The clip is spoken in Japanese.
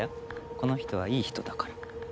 この人はいい人だから。